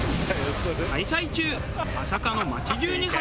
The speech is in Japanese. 開催中